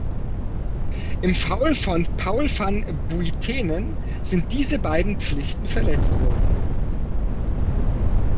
Im Fall von Paul van Buitenen sind diese beiden Pflichten verletzt worden.